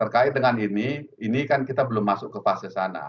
terkait dengan ini ini kan kita belum masuk ke fase sana